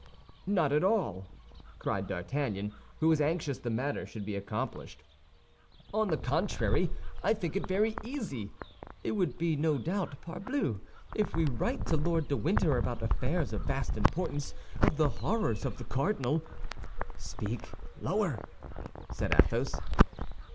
"Not at all," cried D'Artagnan, who was anxious the matter should be accomplished; "on the contrary, I think it very easy. It would be, no doubt, parbleu, if we write to Lord de Winter about affairs of vast importance, of the horrors of the cardinal—" "Speak lower!" said Athos.